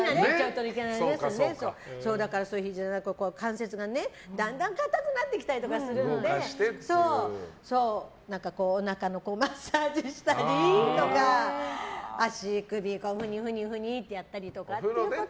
関節がだんだん硬くなってきたりするのでおなかのマッサージしたりとか足首ふにふにってやったりとかは。